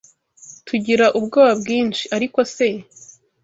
tugira ubwoba bwinshi! Ariko se